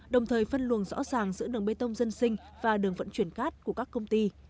đồng thời phân luồng rõ ràng giữa đường bê tông dân sinh và đường vận chuyển cát của các công ty